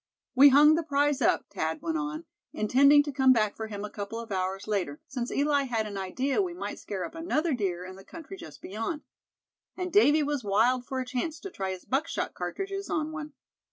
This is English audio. "We hung the prize up," Thad went on, "intending to come back for him a couple of hours later; since Eli had an idea we might scare up another deer in the country just beyond; and Davy was wild for a chance to try his buckshot cartridges on one."